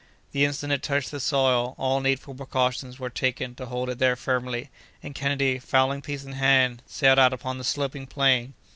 The instant it touched the soil, all needful precautions were taken to hold it there firmly; and Kennedy, fowling piece in hand, sallied out upon the sloping plain.